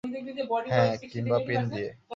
হ্যাঁ, কিংবা পিন দিয়ে।